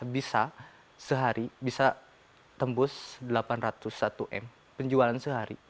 bisa sehari bisa tembus delapan ratus satu m penjualan sehari